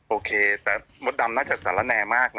อ๋อโอเคแต่มดสรรแนมมากเนอะ